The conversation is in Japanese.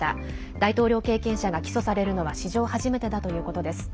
大統領経験者が起訴されるのは史上初めてだということです。